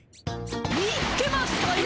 見つけましたよ！